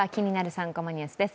３コマニュース」です